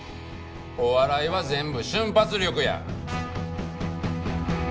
お笑いは全部瞬発力や。